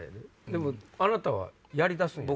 でもあなたはやりだすんや。